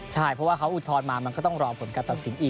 ใช่เพราะว่าเขาอุทธรณ์มามันก็ต้องรอผลการตัดสินอีก